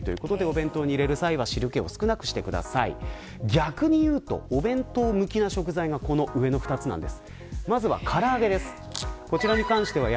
逆にいうとお弁当向きな食材がこの上の２つなんです。